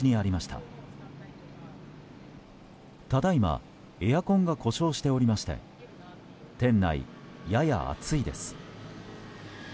ただいまエアコンが故障しておりまして店内、やや暑いです。